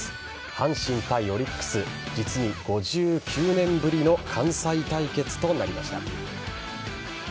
阪神対オリックス実に５９年ぶりの関西対決となりました。